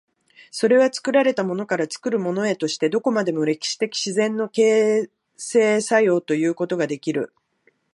それは作られたものから作るものへとして、どこまでも歴史的自然の形成作用ということができる。